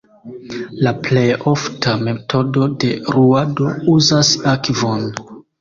La plej ofta metodo de ruado uzas akvon.